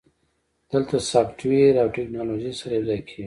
دلته سافټویر او ټیکنالوژي سره یوځای کیږي.